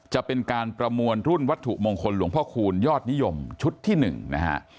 จะเป็นการประมวลรุ่นวัตถุมงคลหลวงพ่อคูณยอดนิยมชุดที่๑นะฮะ